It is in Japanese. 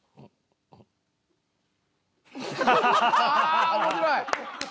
ああ面白い。